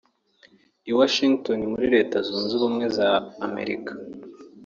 I Washington muri Leta zunze ubumwe za Amerika